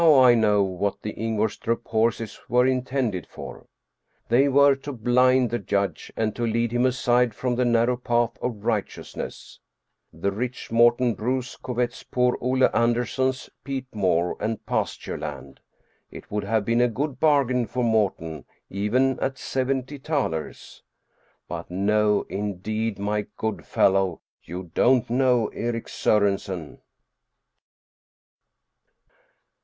Now I know what the Ingvorstrup horses were intended for. They were to blind the judge and to lead him aside from the narrow path of righteousness. The rich Morten Bruus covets poor Ole Anderson's peat moor and pasture land. It would have been a good bargain for Morten even at seventy thalers. But no indeed, my good fellow, you don't know Erik Sorensen